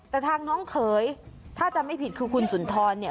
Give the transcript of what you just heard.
แต่ทางน้องเขยถ้าจำไม่ผิดคือคุณสุนทรเนี่ย